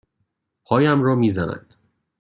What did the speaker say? پایم را می زند.